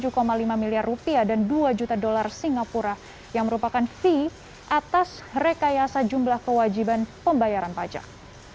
duga menerima uang senilai rp tujuh lima miliar dan rp dua juta singapura yang merupakan fee atas rekayasa jumlah kewajiban pembayaran pajak